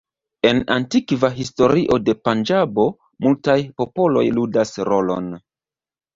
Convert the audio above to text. En antikva historio de Panĝabo multaj popoloj ludas rolon.